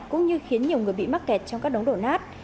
cũng như khiến nhiều người bị mắc kẹt trong các đống đổ nát